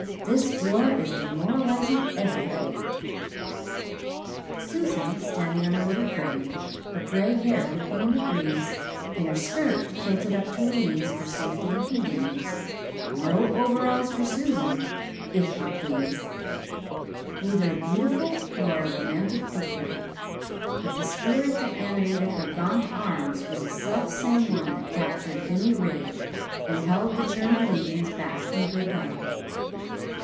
This war is demoralizing everybody." Susan, standing on a load of grain, her grey hair whipping in the breeze and her skirt kilted up to her knees for safety and convenience no overalls for Susan, if you please neither a beautiful nor a romantic figure; but the spirit that animated her gaunt arms was the self same one that captured Vimy Ridge and held the German legions back from Verdun.